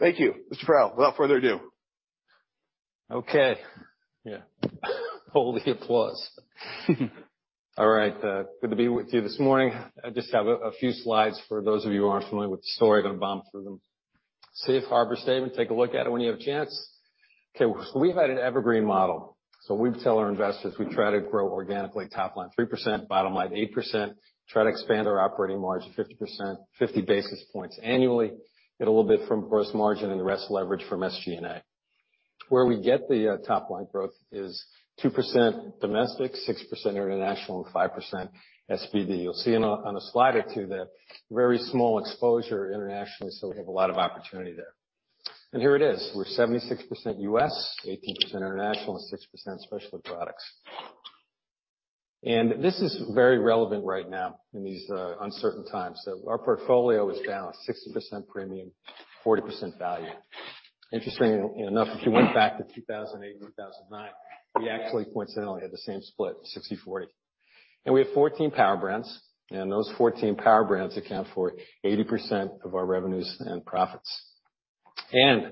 Thank you. Mr. Perreault, without further ado. Okay. Yeah. Hold the applause. All right. Good to be with you this morning. I just have a few slides for those of you who aren't familiar with the story, gonna bomb through them. Safe harbor statement, take a look at it when you have a chance. Okay, we've had an evergreen model. We tell our investors we try to grow organically top line 3%, bottom line 8%, try to expand our operating margin 50 basis points annually. Get a little bit from gross margin and the rest leverage from SG&A. Where we get the top line growth is 2% domestic, 6% international, and 5% SPD. You'll see on a slide or two that very small exposure internationally, so we have a lot of opportunity there. Here it is. We're 76% US, 18% international, and 6% specialty products. This is very relevant right now in these uncertain times. Our portfolio is balanced 60% premium, 40% value. Interestingly enough, if you went back to 2008, 2009, we actually coincidentally had the same split, 60/40. We have 14 power brands, and those 14 power brands account for 80% of our revenues and profits.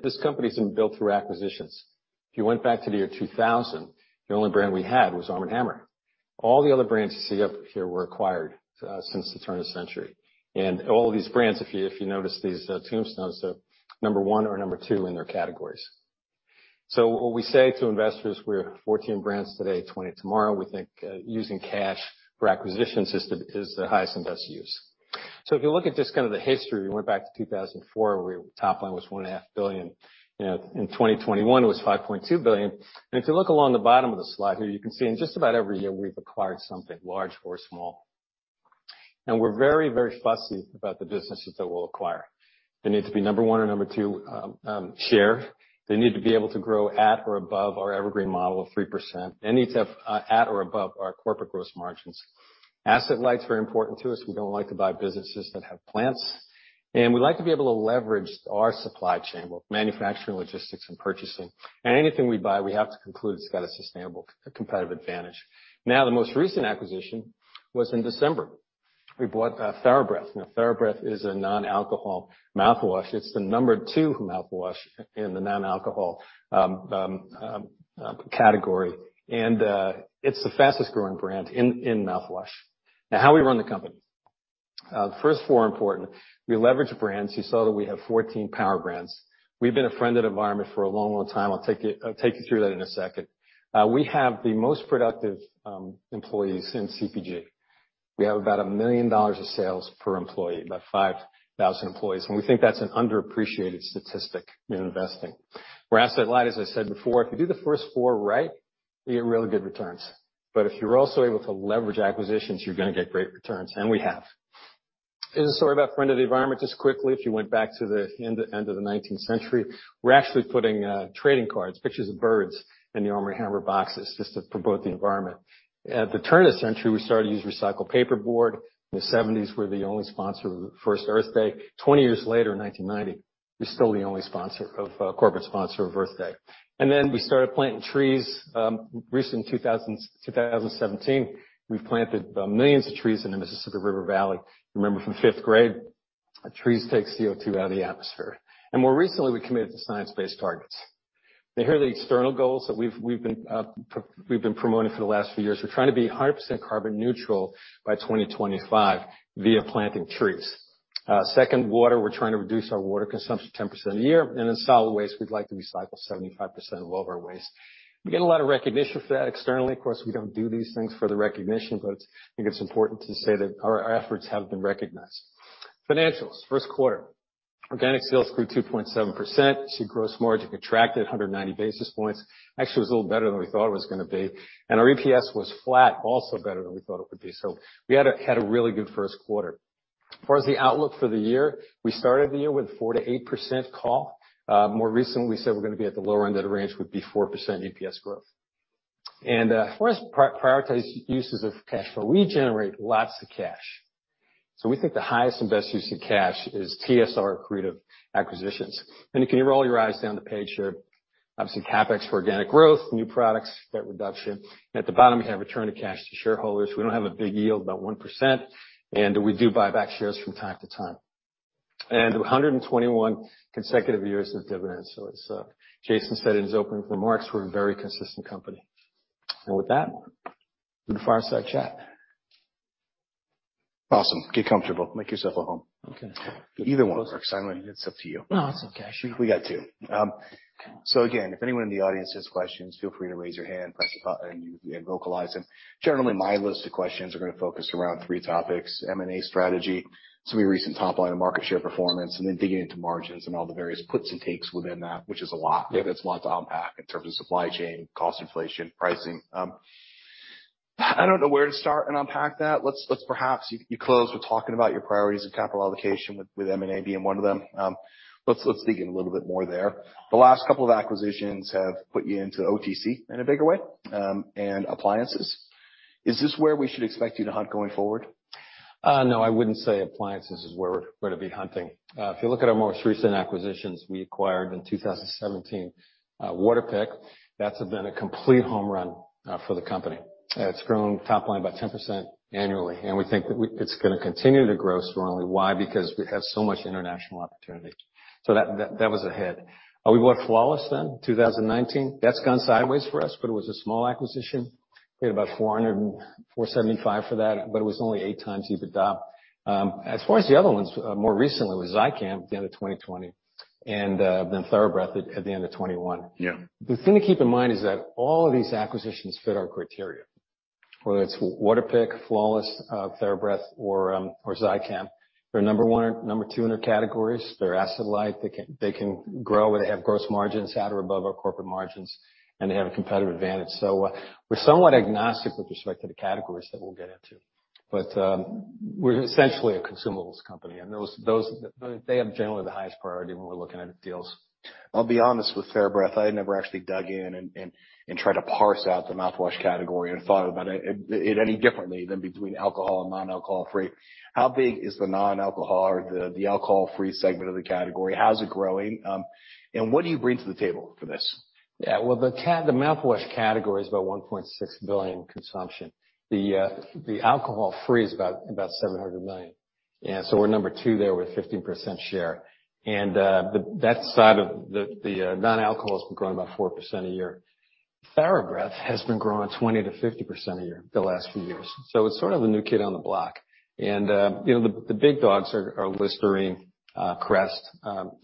This company's been built through acquisitions. If you went back to the year 2000, the only brand we had was Arm & Hammer. All the other brands you see up here were acquired since the turn of the century. All these brands, if you notice these tombstones, they're number one or number two in their categories. What we say to investors, we're 14 brands today, 20 tomorrow. We think using cash for acquisitions is the highest and best use. If you look at just kind of the history, we went back to 2004, where top line was $1.5 billion. You know, in 2021, it was $5.2 billion. If you look along the bottom of the slide here, you can see in just about every year we've acquired something large or small. We're very, very fussy about the businesses that we'll acquire. They need to be number one or number two share. They need to be able to grow at or above our evergreen model of 3%. They need to have at or above our corporate gross margins. Asset light's very important to us. We don't like to buy businesses that have plants. We like to be able to leverage our supply chain, both manufacturing, logistics, and purchasing. Anything we buy, we have to conclude it's got a sustainable competitive advantage. Now, the most recent acquisition was in December. We bought TheraBreath. Now, TheraBreath is a non-alcohol mouthwash. It's the number 2 mouthwash in the non-alcohol category. It's the fastest growing brand in mouthwash. Now how we run the company. The first 4 are important. We leverage brands. You saw that we have 14 power brands. We've been a friend of the environment for a long, long time. I'll take you through that in a second. We have the most productive employees in CPG. We have about $1 million of sales per employee, about 5,000 employees, and we think that's an underappreciated statistic in investing. We're asset light, as I said before. If you do the first four right, we get really good returns. But if you're also able to leverage acquisitions, you're gonna get great returns, and we have. Here's a story about a friend of the environment. Just quickly, if you went back to the end of the nineteenth century, we're actually putting trading cards, pictures of birds in the Arm & Hammer boxes just to promote the environment. At the turn of the century, we started to use recycled paperboard. In the 1970s, we're the only sponsor of the first Earth Day. 20 years later, in 1990, we're still the only corporate sponsor of Earth Day. We started planting trees. In 2017, we've planted millions of trees in the Mississippi River Valley. Remember from fifth grade, trees take CO2 out of the atmosphere. More recently, we committed to science-based targets. Now, here are the external goals that we've been promoting for the last few years. We're trying to be 100% carbon neutral by 2025 via planting trees. Second, water. We're trying to reduce our water consumption 10% a year. In solid waste, we'd like to recycle 75% of all of our waste. We get a lot of recognition for that externally. Of course, we don't do these things for the recognition, but I think it's important to say that our efforts have been recognized. Financials. First quarter. Organic sales grew 2.7%. You see gross margin contracted 190 basis points. Actually, it was a little better than we thought it was gonna be. Our EPS was flat, also better than we thought it would be. We had a really good first quarter. As far as the outlook for the year, we started the year with 4%-8% call. More recently we said we're gonna be at the lower end of the range, would be 4% EPS growth. For us, prioritize uses of cash flow. We generate lots of cash. We think the highest and best use of cash is TSR accretive acquisitions. You can run your eyes down the page here. Obviously, CapEx for organic growth, new products, debt reduction. At the bottom, we have return of cash to shareholders. We don't have a big yield, about 1%, and we do buy back shares from time to time. 121 consecutive years of dividends. As Jason said in his opening remarks, we're a very consistent company. With that, we can fireside chat. Awesome. Get comfortable. Make yourself at home. Okay. Either one works. I mean, it's up to you. No, it's okay. I appreciate it. We got two. Again, if anyone in the audience has questions, feel free to raise your hand, press the button, and you can vocalize them. Generally, my list of questions are gonna focus around three topics, M&A strategy, some of your recent top line and market share performance, and then digging into margins and all the various puts and takes within that, which is a lot. Yeah. It's a lot to unpack in terms of supply chain, cost inflation, pricing. I don't know where to start and unpack that. You closed with talking about your priorities of capital allocation with M&A being one of them. Let's dig in a little bit more there. The last couple of acquisitions have put you into OTC in a bigger way, and appliances. Is this where we should expect you to hunt going forward? No, I wouldn't say appliances is where we're to be hunting. If you look at our most recent acquisitions, we acquired in 2017, Waterpik. That's been a complete home run for the company. It's grown top line about 10% annually, and we think it's gonna continue to grow strongly. Why? Because we have so much international opportunity. That was a hit. We bought Flawless then, 2019. That's gone sideways for us, but it was a small acquisition. We had about $475 for that, but it was only 8x EBITDA. As far as the other ones, more recently was Zicam at the end of 2020 and then TheraBreath at the end of 2021. Yeah. The thing to keep in mind is that all of these acquisitions fit our criteria, whether it's Waterpik, Flawless, TheraBreath or Zicam. They're number 1 or number 2 in their categories. They're asset-light. They can grow, and they have gross margins at or above our corporate margins, and they have a competitive advantage. We're somewhat agnostic with respect to the categories that we'll get into, but we're essentially a consumables company, and those they have generally the highest priority when we're looking at deals. I'll be honest, with TheraBreath, I had never actually dug in and tried to parse out the mouthwash category and thought about it any differently than between alcohol and alcohol-free. How big is the alcohol-free or the alcohol-free segment of the category? How's it growing? And what do you bring to the table for this? Yeah. Well, the mouthwash category is about $1.6 billion consumption. The alcohol free is about $700 million. Yeah, so we're number two there with 15% share. But that side of the non-alcohol has been growing about 4% a year. TheraBreath has been growing 20%-50% a year the last few years, so it's sort of the new kid on the block. You know, the big dogs are Listerine, Crest,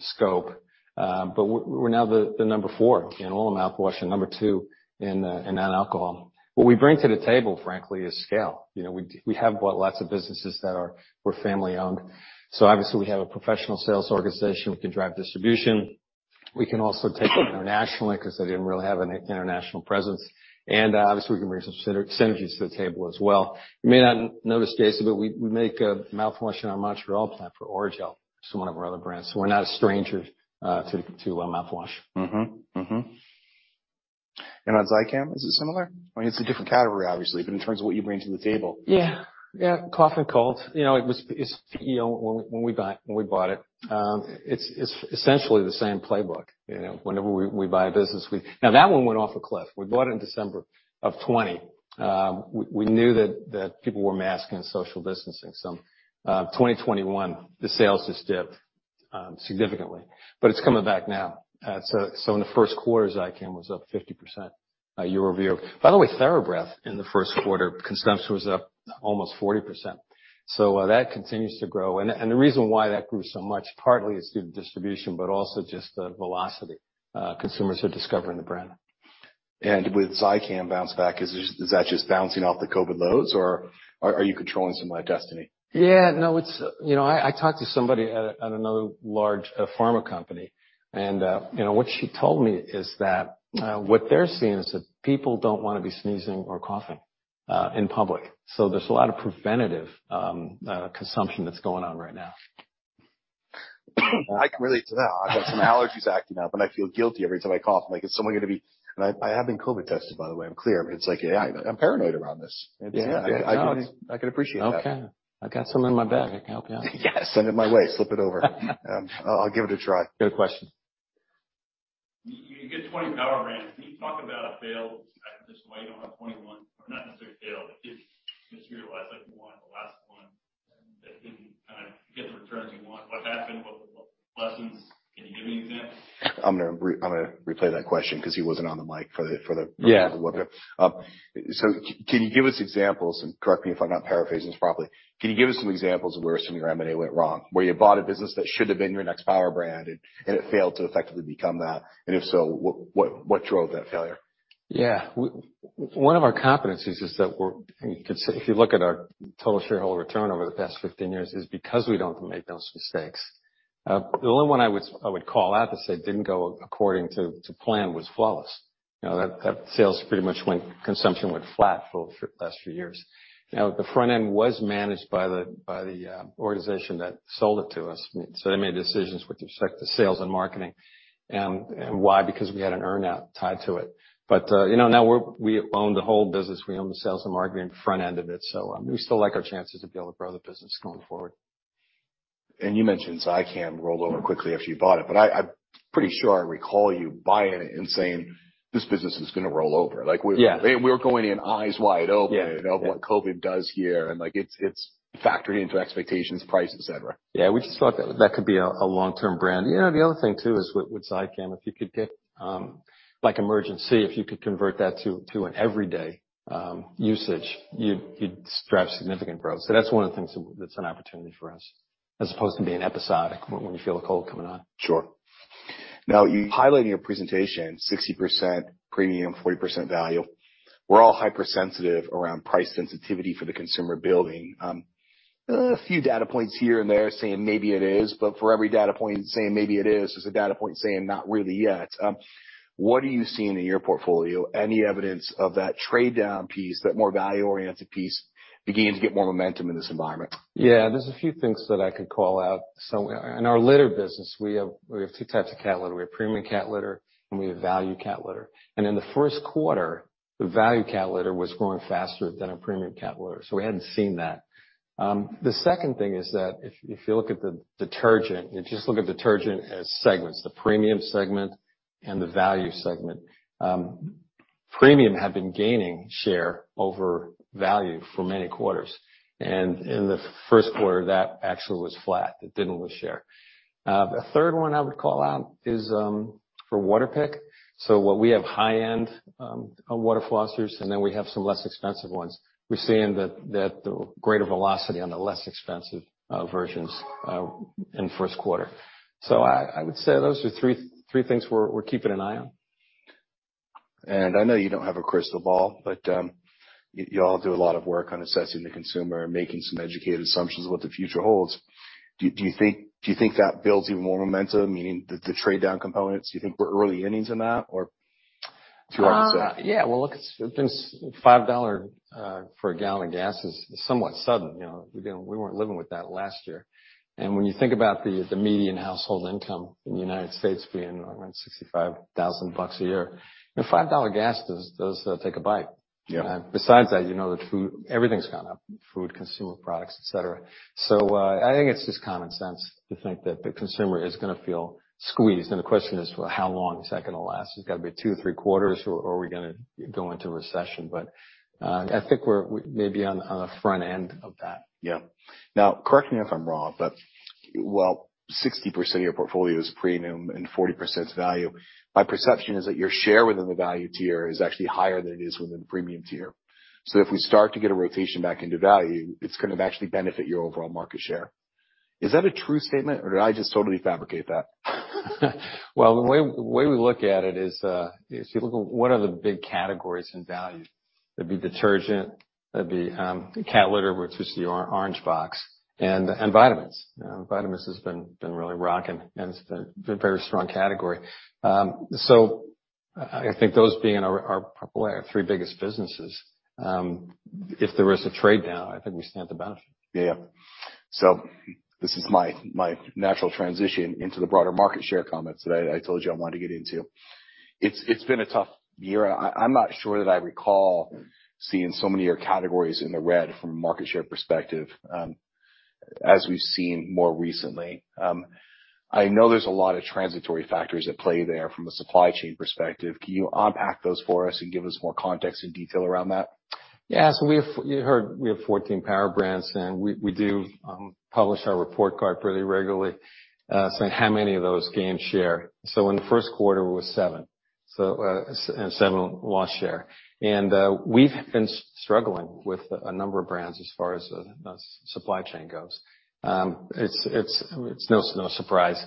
Scope. But we're now the number four in all mouthwash and number two in non-alcohol. What we bring to the table, frankly, is scale. You know, we have bought lots of businesses that were family-owned, so obviously we have a professional sales organization. We can drive distribution. We can also take them internationally 'cause they didn't really have an international presence, and obviously, we can bring some synergies to the table as well. You may not notice, Jason, but we make mouthwash in our Montreal plant for Orajel, so one of our other brands, so we're not a stranger to mouthwash. On Zicam, is it similar? I mean, it's a different category, obviously, but in terms of what you bring to the table. Yeah. Yeah, cough and cold. You know, it's essentially the same playbook when we bought it. You know, whenever we buy a business, we buy a business. Now that one went off a cliff. We bought it in December 2020. We knew that people were masking and social distancing, so 2021, the sales just dipped significantly. It's coming back now. So in the first quarter, Zicam was up 50% year-over-year. By the way, TheraBreath in the first quarter, consumption was up almost 40%, so that continues to grow. The reason why that grew so much partly is due to distribution, but also just the velocity. Consumers are discovering the brand. With Zicam bounce back, is that just bouncing off the COVID lows or are you controlling some of that destiny? Yeah. No, it's I talked to somebody at another large pharma company and what she told me is that what they're seeing is that people don't wanna be sneezing or coughing in public, so there's a lot of preventative consumption that's going on right now. I can relate to that. I've got some allergies acting up, and I feel guilty every time I cough. Like, is someone gonna be. I have been COVID tested, by the way. I'm clear, but it's like, yeah, I'm paranoid around this. Yeah. I can appreciate that. Okay. I've got some in my bag. I can help you out. Yes. Send it my way. Slip it over. I'll give it a try. Good question. You get 20 power brands. Can you talk about a failed I'm gonna replay that question 'cause he wasn't on the mic for the. Yeah. Can you give us examples, and correct me if I'm not paraphrasing this properly. Can you give us some examples of where some of your M&A went wrong, where you bought a business that should have been your next power brand and it failed to effectively become that? If so, what drove that failure? Yeah. One of our competencies is that we're you could say, if you look at our total shareholder return over the past 15 years, is because we don't make those mistakes. The only one I would call out to say didn't go according to plan was Flawless. You know, that consumption went flat for the last few years. Now, the front end was managed by the organization that sold it to us, so they made decisions with respect to sales and marketing. Why? Because we had an earn-out tied to it. You know, now we own the whole business. We own the sales and marketing front end of it, so we still like our chances to be able to grow the business going forward. You mentioned Zicam rolled over quickly after you bought it, but I'm pretty sure I recall you buying it and saying, "This business is gonna roll over. Yeah. We're going in eyes wide open. Yeah. Yeah. You know, what COVID does here, and like, it's factored into expectations, price, et cetera. Yeah. We just thought that could be a long-term brand. You know, the other thing too is with Zicam, if you could get like Emergen-C, if you could convert that to an everyday usage, you'd drive significant growth. That's one of the things that's an opportunity for us, as opposed to being episodic when you feel a cold coming on. Sure. Now, you highlighted in your presentation 60% premium, 40% value. We're all hypersensitive around price sensitivity for the consumer buying. A few data points here and there saying maybe it is, but for every data point saying maybe it is, there's a data point saying not really yet. What are you seeing in your portfolio? Any evidence of that trade down piece, that more value-oriented piece beginning to get more momentum in this environment? Yeah, there's a few things that I could call out. In our litter business, we have two types of cat litter. We have premium cat litter, and we have value cat litter. In the first quarter, the value cat litter was growing faster than our premium cat litter, so we hadn't seen that. The second thing is that if you look at the detergent, if you just look at detergent as segments, the premium segment and the value segment, premium had been gaining share over value for many quarters. In the first quarter, that actually was flat. It didn't lose share. The third one I would call out is for Waterpik. What we have high-end water flossers, and then we have some less expensive ones. We're seeing that the greater velocity on the less expensive versions in the first quarter. I would say those are three things we're keeping an eye on. I know you don't have a crystal ball, but y'all do a lot of work on assessing the consumer and making some educated assumptions of what the future holds. Do you think that builds even more momentum, meaning the trade-down components? Do you think we're early innings in that? Or do you want to say? Yeah, well, look, it's been $5 for a gallon of gas is somewhat sudden, you know. You know, we weren't living with that last year. When you think about the median household income in the United States being around $65,000 a year $5 gas does take a bite. Yeah. Besides that, you know that food, everything's gone up, food, consumer products, et cetera. I think it's just common sense to think that the consumer is gonna feel squeezed. The question is, well, how long is that gonna last? It's gotta be two, three quarters or are we gonna go into a recession? I think we're maybe on the front end of that. Yeah. Now, correct me if I'm wrong, but, well, 60% of your portfolio is premium and 40% is value. My perception is that your share within the value tier is actually higher than it is within the premium tier. If we start to get a rotation back into value, it's gonna actually benefit your overall market share. Is that a true statement or did I just totally fabricate that? Well, the way we look at it is, if you look at what are the big categories in value, that'd be detergent, that'd be cat litter, which is the orange box, and vitamins. Vitamins has been really rocking, and it's been a very strong category. I think those being probably our three biggest businesses, if there is a trade-down, I think we stand to benefit. Yeah. This is my natural transition into the broader market share comments that I told you I wanted to get into. It's been a tough year. I'm not sure that I recall seeing so many of your categories in the red from a market share perspective, as we've seen more recently. I know there's a lot of transitory factors at play there from a supply chain perspective. Can you unpack those for us and give us more context and detail around that? Yeah. You've heard we have 14 power brands, and we do publish our report card pretty regularly, saying how many of those gained share. In the first quarter, it was seven. Seven lost share. We've been struggling with a number of brands as far as the supply chain goes. I mean, it's no surprise.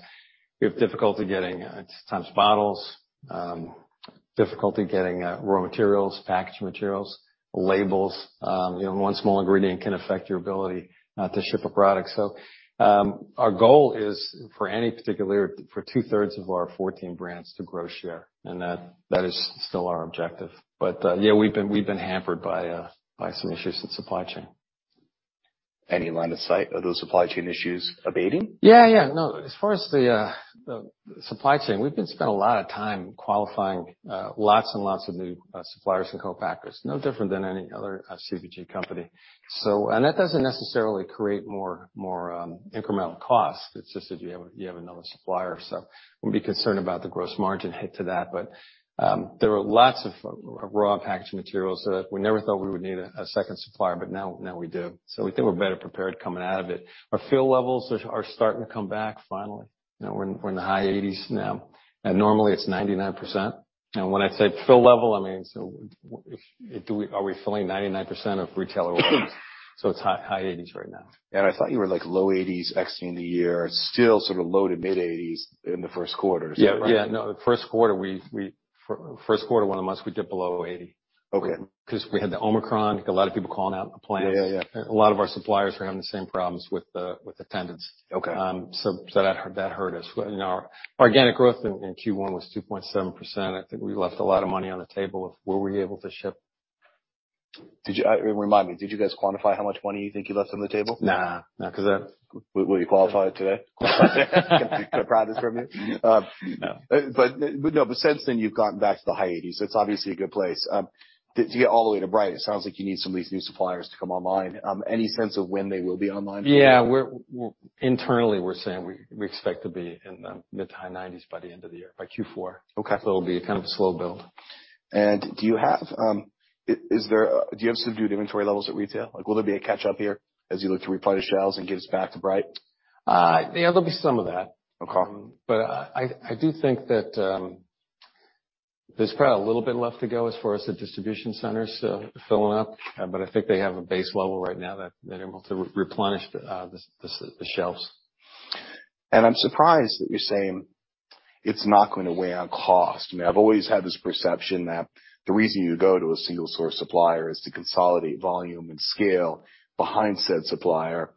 We have difficulty getting at times bottles, difficulty getting raw materials, packaged materials, labels. You know, one small ingredient can affect your ability to ship a product. Our goal is for two-thirds of our 14 brands to grow share, and that is still our objective. Yeah, we've been hampered by some issues with supply chain. Any line of sight, are those supply chain issues abating? Yeah, yeah. No, as far as the supply chain, we've been spending a lot of time qualifying lots and lots of new suppliers and co-packers, no different than any other CPG company. That doesn't necessarily create more incremental costs. It's just that you have another supplier. Wouldn't be concerned about the gross margin hit to that. There are lots of raw packaging materials that we never thought we would need a second supplier, but now we do. We think we're better prepared coming out of it. Our fill levels are starting to come back finally. You know, we're in the high 80s now. Normally it's 99%. When I say fill level, I mean, are we filling 99% of retailer wings? It's high 80s right now. I thought you were like low 80s% exiting the year, still sort of low- to mid-80s% in the first quarter, is that right? Yeah. No, the first quarter, one of the months we dipped below 80. Okay. 'Cause we had the Omicron, a lot of people calling out in the plants. Yeah, yeah. A lot of our suppliers were having the same problems with attendance. Okay. That hurt us. You know, our organic growth in Q1 was 2.7%. I think we left a lot of money on the table if we were able to ship. Remind me, did you guys quantify how much money you think you left on the table? Nah, 'cause that. Will, will you qualify it today? Can I pry this from you? No. Since then, you've gotten back to the high 80s%. That's obviously a good place. To get all the way to right, it sounds like you need some of these new suppliers to come online. Any sense of when they will be online fully? Yeah. We're internally saying we expect to be in the mid-to-high 90s% by the end of the year, by Q4. Okay. It'll be kind of a slow build. Do you have subdued inventory levels at retail? Like, will there be a catch-up here as you look to replenish shelves and get us back to bright? Yeah, there'll be some of that. Okay. I do think that there's probably a little bit left to go as far as the distribution centers filling up. I think they have a base level right now that they're able to replenish the shelves. I'm surprised that you're saying it's not going to weigh on cost. I mean, I've always had this perception that the reason you go to a single source supplier is to consolidate volume and scale behind said supplier.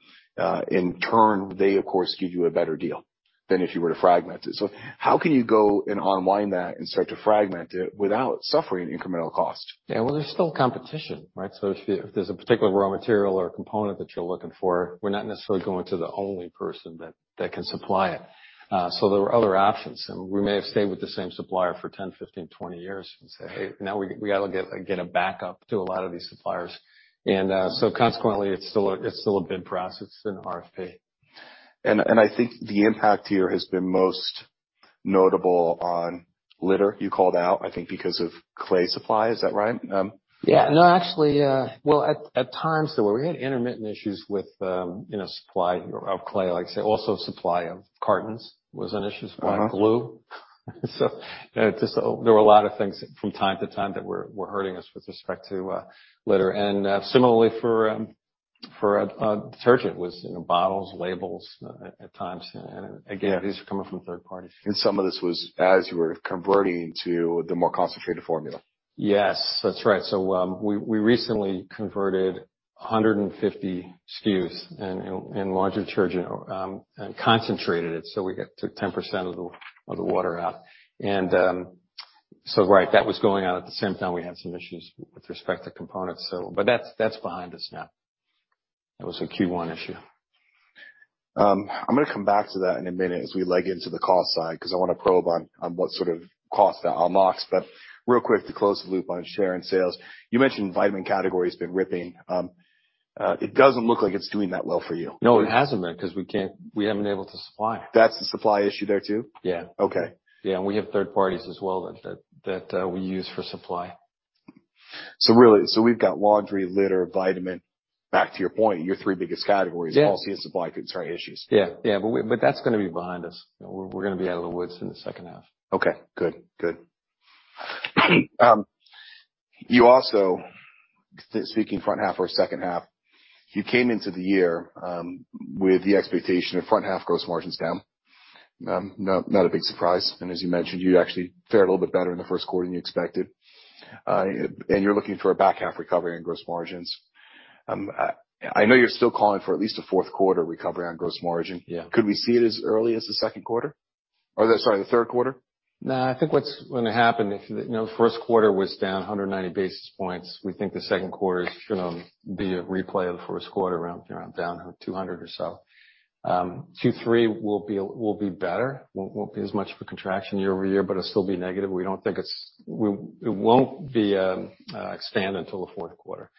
In turn, they of course give you a better deal. If you were to fragment it. How can you go and unwind that and start to fragment it without suffering incremental cost? Yeah. Well, there's still competition, right? If there's a particular raw material or component that you're looking for, we're not necessarily going to the only person that can supply it. There were other options, and we may have stayed with the same supplier for 10, 15, 20 years and say, "Hey, now we gotta get a backup to a lot of these suppliers." Consequently, it's still a bid process, it's an RFP. I think the impact here has been most notable on litter you called out, I think, because of clay supply. Is that right? Yeah. No, actually, well, at times there were. We had intermittent issues with supply of clay, like I say, also supply of cartons was an issue. Uh-huh. Supply of glue. You know, just there were a lot of things from time to time that were hurting us with respect to litter. Similarly for detergent was bottles, labels at times. Again, these are coming from third parties. Some of this was as you were converting to the more concentrated formula. Yes, that's right. We recently converted 150 SKUs in laundry detergent and concentrated it, so we took 10% of the water out. Right, that was going on. At the same time we had some issues with respect to components. But that's behind us now. That was a Q1 issue. I'm gonna come back to that in a minute as we leg into the cost side, 'cause I wanna probe on what sort of costs that unlocks. Real quick, to close the loop on share and sales, you mentioned vitamin category has been ripping. It doesn't look like it's doing that well for you. No, it hasn't been 'cause we haven't been able to supply. That's a supply issue there too? Yeah. Okay. Yeah, we have third parties as well that we use for supply. We've got laundry, litter, vitamin. Back to your point, your three biggest categories. Yeah. All seeing supply chain issues, right? Yeah, but that's gonna be behind us. We're gonna be out of the woods in the second half. Okay, good. You also, speaking front half or second half, you came into the year with the expectation of front half gross margins down. Not a big surprise. As you mentioned, you actually fared a little bit better in the first quarter than you expected. You're looking for a back half recovery in gross margins. I know you're still calling for at least a fourth quarter recovery on gross margin. Yeah. Could we see it as early as the second quarter? Or the third quarter? No, I think what's gonna happen is first quarter was down 190 basis points. We think the second quarter is gonna be a replay of the first quarter, aro down 200 or so. Q3 will be better, won't be as much of a contraction year-over-year, but it'll still be negative. We don't think it'll expand until the fourth quarter.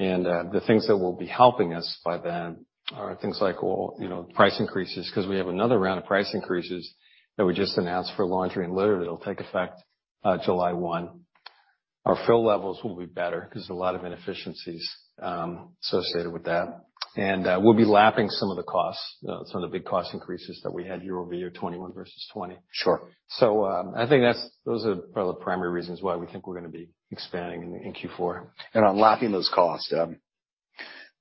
The things that will be helping us by then are things like, well price increases, 'cause we have another round of price increases that we just announced for laundry and litter that'll take effect July 1. Our fill levels will be better 'cause there's a lot of inefficiencies associated with that. We'll be lapping some of the big cost increases that we had year-over-year, 2021 versus 2020. Sure. I think those are probably the primary reasons why we think we're gonna be expanding in Q4. On lapping those costs,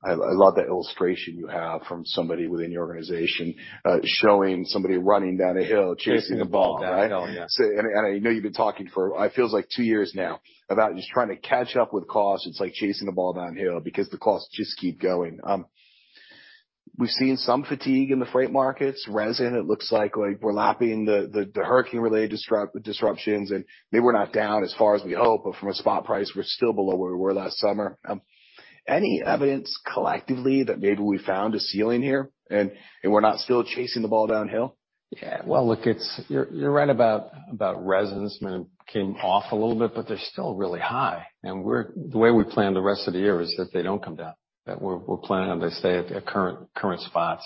I love that illustration you have from somebody within your organization, showing somebody running down a hill chasing a ball, right? Down a hill, yeah. I know you've been talking for it feels like two years now about just trying to catch up with costs. It's like chasing a ball downhill because the costs just keep going. We've seen some fatigue in the freight markets. Resin, it looks like we're lapping the hurricane-related disruptions, and maybe we're not down as far as we hope, but from a spot price, we're still below where we were last summer. Any evidence collectively that maybe we found a ceiling here and we're not still chasing the ball downhill? Yeah. Well, look, you're right about resins. I mean, it came off a little bit, but they're still really high. The way we plan the rest of the year is that they don't come down, that we're planning on they stay at the current spots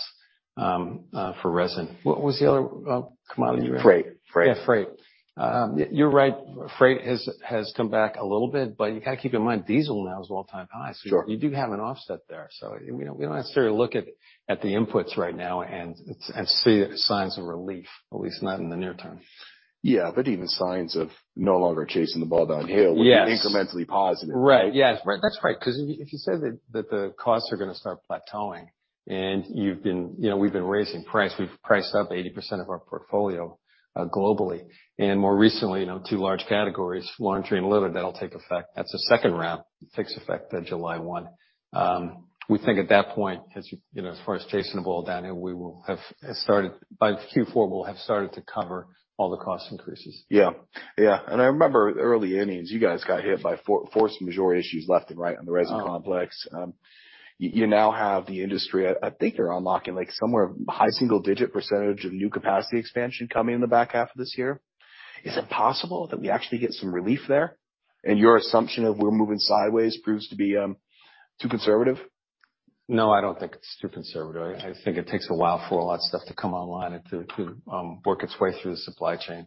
for resin. What was the other commodity you had? Freight. Yeah, freight. You're right. Freight has come back a little bit, but you gotta keep in mind, diesel now is all-time high. Sure. You do have an offset there. We don't necessarily look at the inputs right now and see signs of relief, at least not in the near term. Yeah, even signs of no longer chasing the ball downhill. Yes. Would be incrementally positive, right? Right. Yeah. That's right, 'cause if you say that the costs are gonna start plateauing and you've been we've been raising price, we've priced up 80% of our portfolio globally, and more recently two large categories, laundry and litter, that'll take effect. That's the second round takes effect July 1. We think at that point, as you know, as far as chasing the ball down, by Q4, we'll have started to cover all the cost increases. Yeah. Yeah. I remember early innings, you guys got hit by force majeure issues left and right on the resin complex. You now have the industry I think you're unlocking like somewhere high single digit percentage of new capacity expansion coming in the back half of this year. Is it possible that we actually get some relief there? Your assumption of we're moving sideways proves to be too conservative? No, I don't think it's too conservative. I think it takes a while for a lot of stuff to come online and to work its way through the supply chain.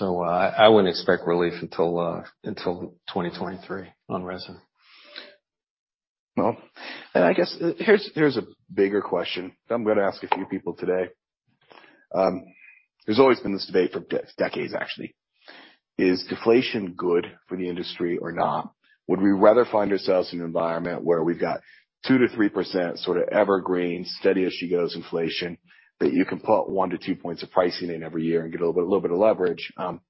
I wouldn't expect relief until 2023 on resin. I guess here's a bigger question I'm gonna ask a few people today. There's always been this debate for decades actually. Is deflation good for the industry or not? Would we rather find ourselves in an environment where we've got 2%-3% sorta evergreen, steady-as-she-goes inflation, that you can put 1-2 points of pricing in every year and get a little bit of leverage, or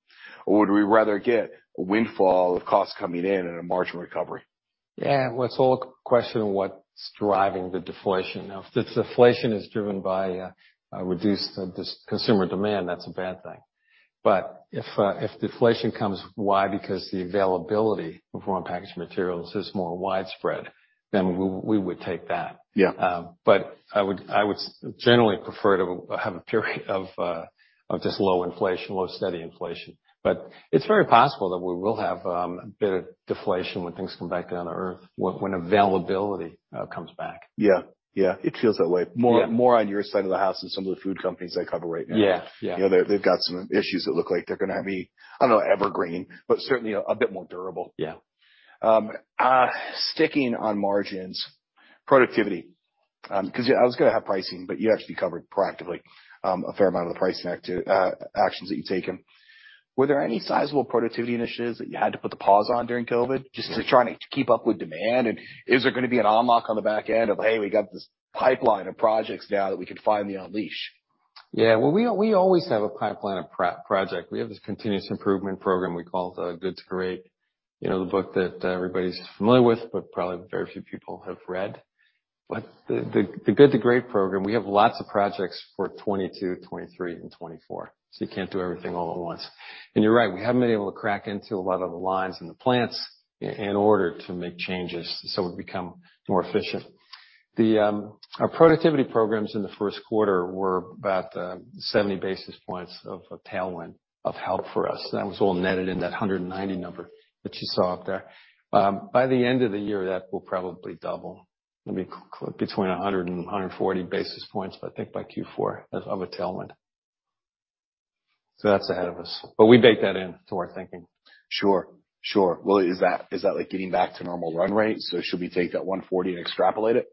would we rather get a windfall of costs coming in and a margin recovery? Yeah. Well, it's all a question of what's driving the deflation. Now, if this deflation is driven by reduced discretionary consumer demand, that's a bad thing. If deflation comes, why? Because the availability of raw and packaged materials is more widespread, then we would take that. Yeah. I would generally prefer to have a period of just low inflation, low steady inflation. It's very possible that we will have a bit of deflation when things come back down to earth, when availability comes back. Yeah. Yeah. It feels that way. Yeah. More on your side of the house than some of the food companies I cover right now. Yeah. Yeah. You know, they've got some issues that look like they're gonna be, I don't know, evergreen, but certainly a bit more durable. Yeah. Sticking on margins, productivity, I was gonna have pricing, but you actually covered proactively a fair amount of the pricing actions that you've taken. Were there any sizable productivity initiatives that you had to put the pause on during COVID just to try and keep up with demand? Is there gonna be an unlock on the back end of, "Hey, we got this pipeline of projects now that we can finally unleash? Yeah. Well, we always have a pipeline of projects. We have this continuous improvement program we call the Good to Great the book that everybody's familiar with, but probably very few people have read. The Good to Great program, we have lots of projects for 2022, 2023 and 2024, so you can't do everything all at once. You're right, we haven't been able to crack into a lot of the lines in the plants in order to make changes so we become more efficient. Our productivity programs in the first quarter were about 70 basis points of a tailwind of help for us. That was all netted in that 190 number that you saw up there. By the end of the year, that will probably double. It'll be call it between 100 and 140 basis points, I think by Q4 of a tailwind. That's ahead of us, but we bake that into our thinking. Sure. Well, is that like getting back to normal run rate? Should we take that $140 and extrapolate it?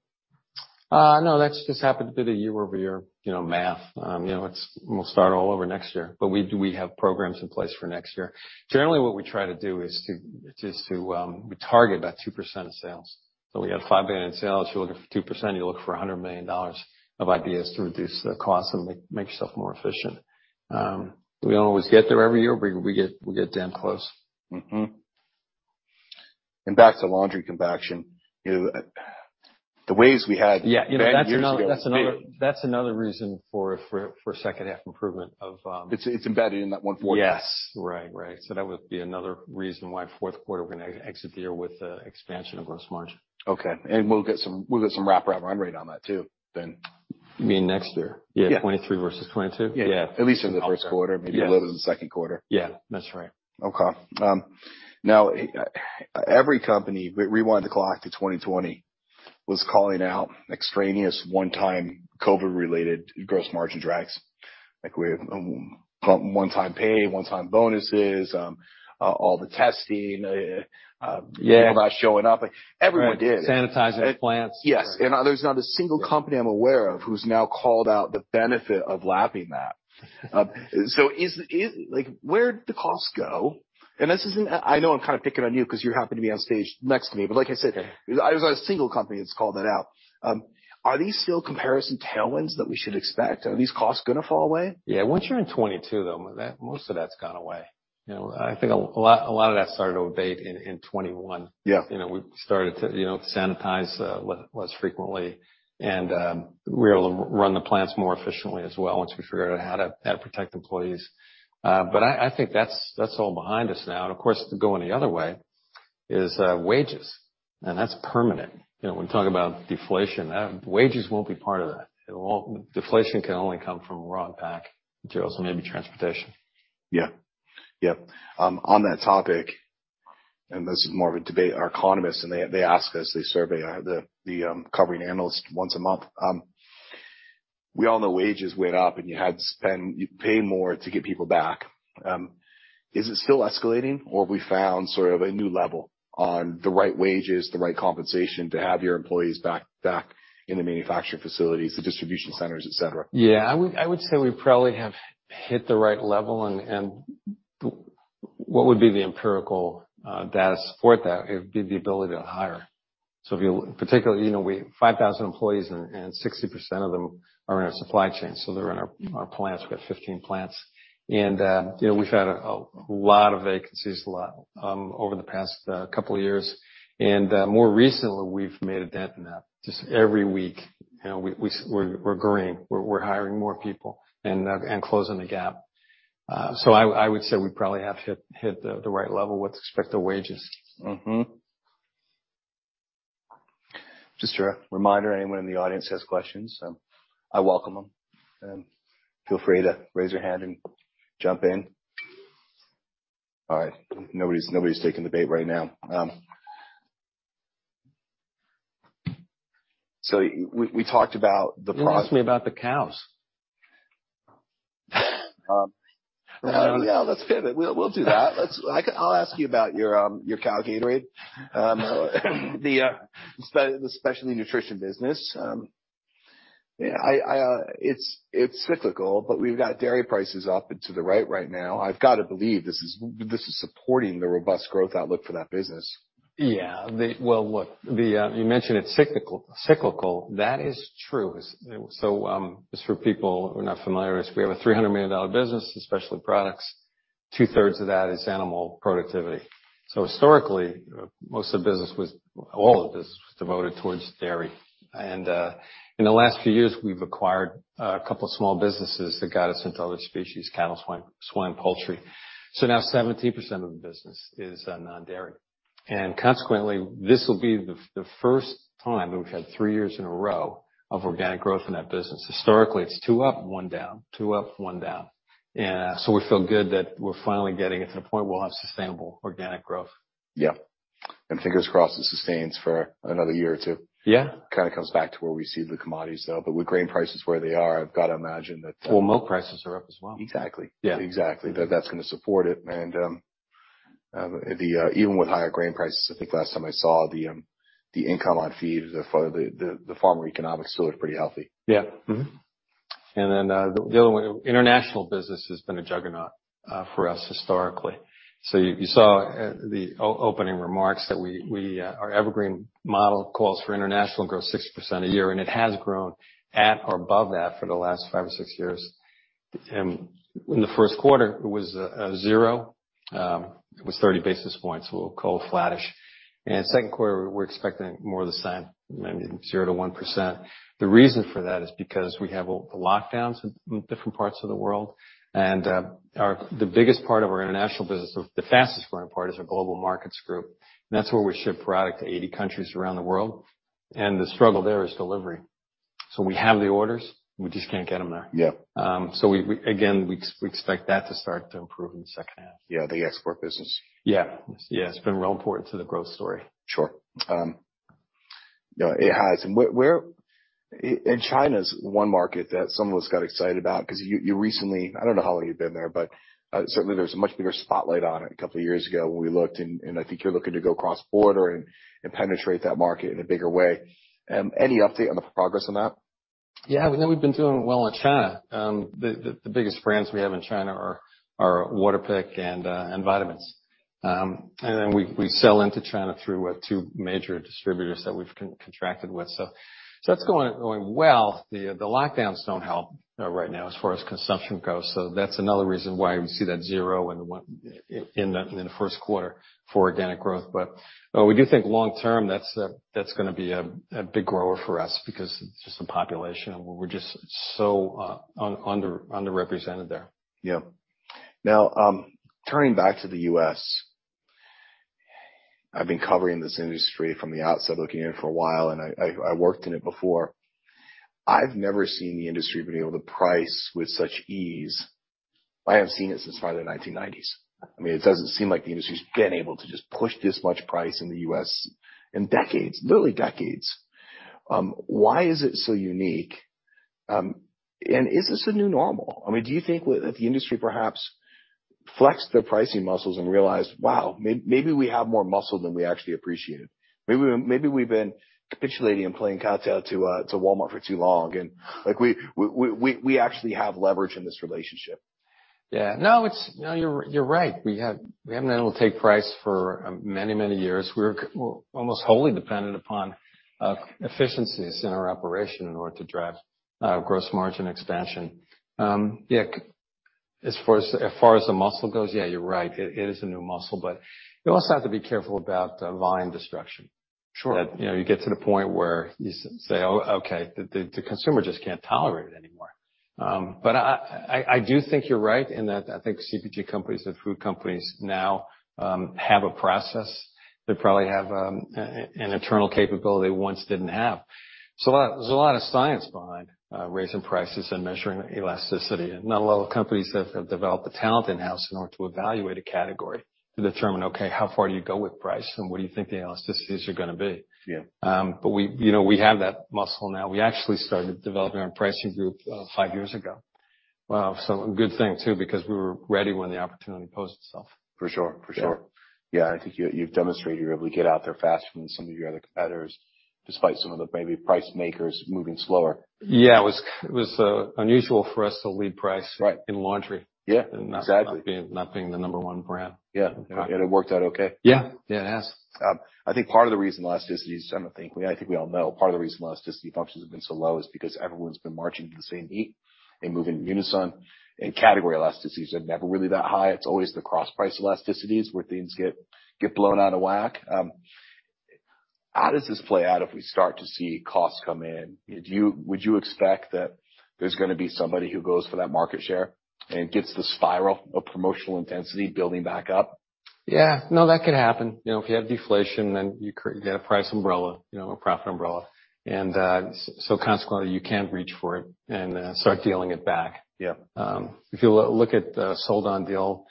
No, that's just happened to be the year-over-year math. You know, we'll start all over next year. We have programs in place for next year. Generally, what we try to do is to target about 2% of sales. We have $5 billion in sales. You're looking for 2%, you look for $100 million of ideas to reduce the cost and make yourself more efficient. We don't always get there every year. We get damn close. Mm-hmm. Back to laundry compaction the waves we had. Yeah. You know, that's another reason for second half improvement of It's embedded in that 140. Yes. Right. That would be another reason why fourth quarter, we're gonna exit the year with an expansion of gross margin. Okay. We'll get some wrap around run rate on that too then. You mean next year? Yeah. 23 versus 22? Yeah. At least in the first quarter. Yeah. Maybe a little bit in the second quarter. Yeah. That's right. Okay. Now every company, we rewind the clock to 2020, was calling out extraneous one-time COVID-related gross margin drags, like with one-time pay, one-time bonuses, all the testing. Yeah. People not showing up. Everyone did. Sanitizing the plants. Yes. There's not a single company I'm aware of who's now called out the benefit of lapping that. Is like, where'd the costs go? This isn't. I know I'm kinda picking on you 'cause you happen to be on stage next to me. Like I said. Okay. There's not a single company that's called that out. Are these still comparison tailwinds that we should expect? Are these costs gonna fall away? Yeah. Once you're in 2022, though, that most of that's gone away. You know, I think a lot of that started to abate in 2021. Yeah. You know, we started to sanitize less frequently. We were able to run the plants more efficiently as well once we figured out how to protect employees. I think that's all behind us now. Of course, going the other way is wages, and that's permanent. You know, when we talk about deflation, wages won't be part of that. Deflation can only come from raw pack materials and maybe transportation. Yeah. On that topic, this is more of a debate. Our economists ask us. They survey the covering analysts once a month. We all know wages went up and you had to spend. You pay more to get people back. Is it still escalating, or have we found sort of a new level on the right wages, the right compensation to have your employees back in the manufacturing facilities, the distribution centers, et cetera? Yeah. I would say we probably have hit the right level. What would be the empirical data to support that? It would be the ability to hire. Particularly we have 5,000 employees and 60% of them are in our supply chain, so they're in our plants. We've got 15 plants. You know, we've had a lot of vacancies over the past couple of years. More recently, we've made a dent in that. Just every week, we're growing. We're hiring more people and closing the gap. So I would say we probably have hit the right level with respect to wages. Just a reminder, anyone in the audience has questions, I welcome them. Feel free to raise your hand and jump in. All right. Nobody's taking the bait right now. We talked about the. You didn't ask me about the cows. Yeah, let's pivot. We'll do that. I'll ask you about your cow Gatorade. The specialty nutrition business. Yeah, it's cyclical, but we've got dairy prices up and to the right right now. I've got to believe this is supporting the robust growth outlook for that business. Yeah. Well, look, you mentioned it's cyclical. That is true. Just for people who are not familiar, we have a $300 million business in specialty products. Two-thirds of that is animal productivity. Historically, most of the business was all of this devoted towards dairy. In the last few years, we've acquired a couple of small businesses that got us into other species, cattle, swine, poultry. Now 70% of the business is non-dairy. Consequently, this will be the first time that we've had three years in a row of organic growth in that business. Historically, it's two up, one down, two up, one down. We feel good that we're finally getting it to the point we'll have sustainable organic growth. Yeah. Fingers crossed it sustains for another year or two. Yeah. Kinda comes back to where we see the commodities, though. With grain prices where they are, I've got to imagine that, Well, milk prices are up as well. Exactly. Yeah. Exactly. That's gonna support it. Even with higher grain prices, I think last time I saw the income on feed, the farmer economics still looked pretty healthy. Yeah. Mm-hmm. The other one, international business has been a juggernaut for us historically. You saw at the opening remarks that our evergreen model calls for international growth 6% a year, and it has grown at or above that for the last five or six years. In the first quarter, it was zero, it was 30 basis points, we'll call it flattish. Second quarter, we're expecting more of the same, maybe 0%-1%. The reason for that is because we have lockdowns in different parts of the world. The biggest part of our international business, or the fastest-growing part is our global markets group. That's where we ship product to 80 countries around the world. The struggle there is delivery. We have the orders, we just can't get them there. Yeah. We again expect that to start to improve in the second half. Yeah, the export business. Yeah. It's been real important to the growth story. Sure. You know, it has. China is one market that some of us got excited about because you recently, I don't know how long you've been there, but certainly there's a much bigger spotlight on it a couple of years ago when we looked, and I think you're looking to go cross-border and penetrate that market in a bigger way. Any update on the progress on that? Yeah. We know we've been doing well in China. The biggest brands we have in China are Waterpik and vitamins. We sell into China through two major distributors that we've contracted with. That's going well. The lockdowns don't help right now as far as consumption goes, so that's another reason why we see that zero in the first quarter for organic growth. We do think long term, that's gonna be a big grower for us because just the population, we're just so underrepresented there. Yeah. Now, turning back to the US, I've been covering this industry from the outside looking in for a while, and I worked in it before. I've never seen the industry being able to price with such ease. I haven't seen it since probably the 1990s. I mean, it doesn't seem like the industry's been able to just push this much price in the US in decades, literally decades. Why is it so unique? And is this a new normal? I mean, do you think that the industry perhaps flexed their pricing muscles and realized, "Wow, maybe we have more muscle than we actually appreciated. Maybe, maybe we've been capitulating and playing cat's paw to Walmart for too long. Like, we actually have leverage in this relationship. Yeah. No, you're right. We haven't been able to take price for many years. We're almost wholly dependent upon efficiencies in our operation in order to drive gross margin expansion. Yeah, as far as the muscle goes, yeah, you're right. It is a new muscle, but you also have to be careful about volume destruction. Sure. You know, you get to the point where you say, "Oh, okay, the consumer just can't tolerate it anymore." I do think you're right in that I think CPG companies and food companies now have a process. They probably have an internal capability they once didn't have. There's a lot of science behind raising prices and measuring elasticity. Not a lot of companies have developed the talent in-house in order to evaluate a category to determine, okay, how far do you go with price, and what do you think the elasticities are gonna be? Yeah. We have that muscle now. We actually started developing our pricing group five years ago. Wow. A good thing, too, because we were ready when the opportunity posed itself. For sure. Yeah. I think you've demonstrated you're able to get out there faster than some of your other competitors, despite some of the maybe price makers moving slower. Yeah. It was unusual for us to lead price- Right. in laundry. Yeah. Exactly. Not being the number one brand. Yeah. It worked out okay. Yeah. Yeah, it has. I think part of the reason elasticity is, I think we all know part of the reason elasticity functions have been so low is because everyone's been marching to the same beat and move in unison, and category elasticities are never really that high. It's always the cross-price elasticities where things get blown out of whack. How does this play out if we start to see costs come in? Would you expect that there's gonna be somebody who goes for that market share and gets the spiral of promotional intensity building back up? Yeah. No, that could happen. You know, if you have deflation, then you have a price umbrella a profit umbrella. So consequently, you can reach for it and start dealing it back. Yeah. If you look at sold on deal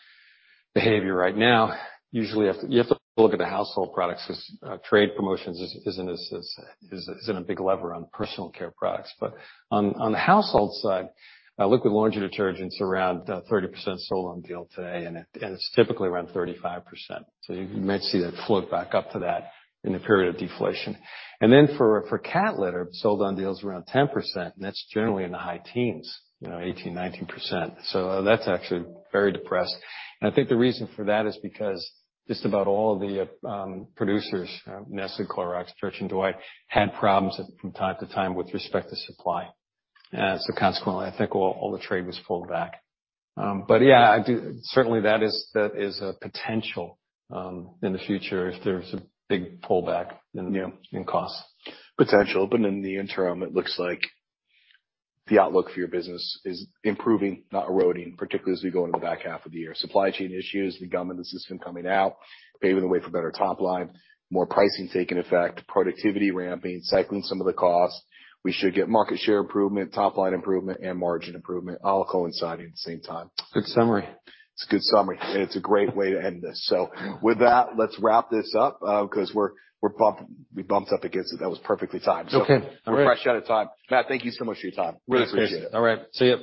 behavior right now, usually you have to look at the household products 'cause trade promotions isn't a big lever on personal care products. On the household side, liquid laundry detergent's around 30% sold on deal today, and it's typically around 35%. You might see that float back up to that in a period of deflation. For cat litter, sold on deal is around 10%, and that's generally in the high teens 18, 19%. That's actually very depressed. I think the reason for that is because just about all of the producers, Nestlé, Clorox, Church & Dwight, had problems from time to time with respect to supply. Consequently, I think all the trade was pulled back. Yeah, certainly that is a potential in the future if there's a big pullback in- Yeah. in costs. Potential, in the interim, it looks like the outlook for your business is improving, not eroding, particularly as we go into the back half of the year. Supply chain issues, the gum in the system coming out, paving the way for better top line, more pricing taking effect, productivity ramping, cycling some of the costs. We should get market share improvement, top line improvement, and margin improvement all coinciding at the same time. Good summary. It's a good summary, and it's a great way to end this. With that, let's wrap this up, 'cause we're bumped up against it. That was perfectly timed. Okay. All right. We're fresh out of time. Matt, thank you so much for your time. Really appreciate it. All right. See ya.